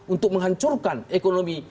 untuk menghancurkan ekonomi